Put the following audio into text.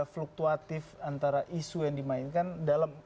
fluktuatif antara isu yang dimainkan dalam